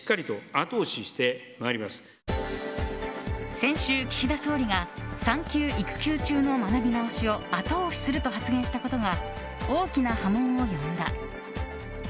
先週、岸田総理が産休・育休中の学び直しを後押しすると発言したことが大きな波紋を呼んだ。